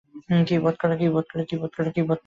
কী বোধ কর।